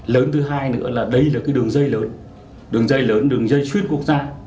lớn thứ hai nữa là đây là cái đường dây lớn đường dây lớn đường dây xuyên quốc gia